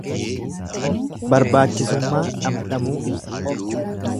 Barbaachisummaa dhamdhamuu ibsa.